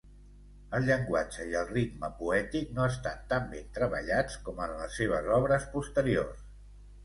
El llenguatge i el ritme poètic no estan tan ben treballats com en les seves obres posteriors.